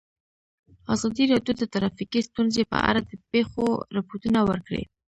ازادي راډیو د ټرافیکي ستونزې په اړه د پېښو رپوټونه ورکړي.